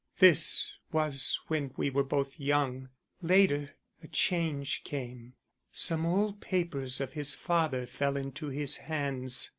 This was when we were both young. Later, a change came. Some old papers of his father fell into his hands.